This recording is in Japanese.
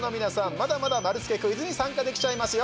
まだまだ丸つけクイズに参加できちゃいますよ。